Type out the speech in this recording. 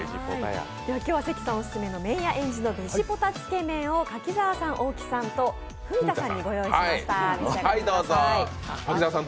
今日は関さんオススメのえん寺のベジポタつけ麺を柿澤さん、大木さんと文田さんにご用意しました。